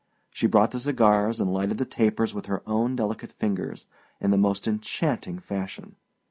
She brought the cigars and lighted the tapers with her own delicate fingers, in the most enchanting fashion.